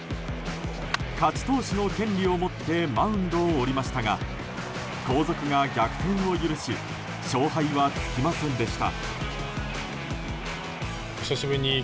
勝ち投手の権利を持ってマウンドを降りましたが後続が逆転を許し勝敗はつきませんでした。